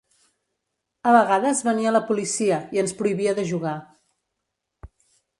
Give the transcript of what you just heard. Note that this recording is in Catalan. A vegades venia la policia i ens prohibia de jugar.